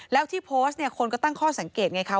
แล้วที่โพสต์เนี่ยคนก็ตั้งข้อสังเกตไงคะ